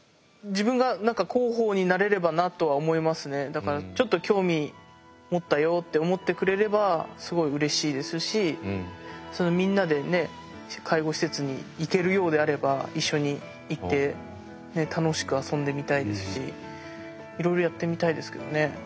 だからちょっと興味持ったよって思ってくれればすごいうれしいですしみんなで介護施設に行けるようであれば一緒に行って楽しく遊んでみたいですしいろいろやってみたいですけどね。